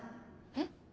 えっ？